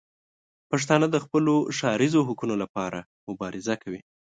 پښتانه د خپلو ښاریزو حقونو لپاره مبارزه کوي.